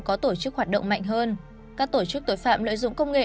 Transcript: có tổ chức hoạt động mạnh hơn các tổ chức tội phạm lợi dụng công nghệ